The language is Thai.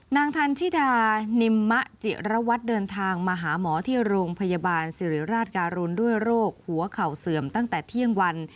นางทันชิดานิมมะจิระวัตรเดินทางมาหาหมอที่โรงพยาบาลสิริราชการุณด้วยโรคหัวเข่าเสื่อมตั้งแต่เที่ยงวัน